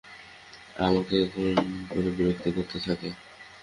আমাকে ফোন করে বিরক্ত করতে থাকে।